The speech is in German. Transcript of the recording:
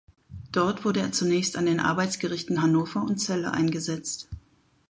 Dort wurde er zunächst an den Arbeitsgerichten Hannover und Celle eingesetzt.